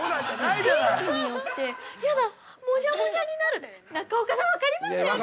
天気によって、嫌だ、もじゃもじゃになるって、中岡さん、分かりますよね。